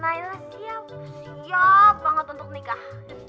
kak nayla siap siap banget untuk nikah